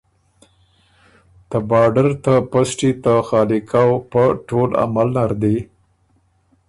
ته بارډر ته پسټي ته خالی کؤ پۀ ټول عمل نر دی